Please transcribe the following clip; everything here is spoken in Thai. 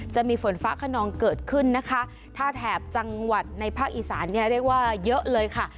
จะมีฝนฟ้าขนองเกิดขึ้นนะคะถ้าแถบจังหวัดในภาคอีสานเนี่ยเรียกว่าเยอะเลยค่ะ